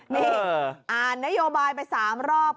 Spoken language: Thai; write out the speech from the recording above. นี่อ่านนโยบายไป๓รอบ